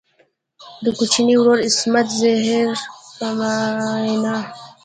د کوچني ورور عصمت زهیر په وینا.